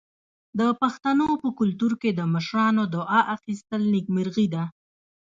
د پښتنو په کلتور کې د مشرانو دعا اخیستل نیکمرغي ده.